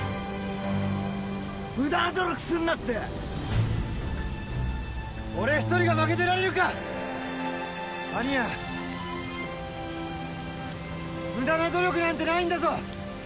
無駄な努力すんなって俺一人が負けてられるか安仁屋無駄な努力なんてないんだぞ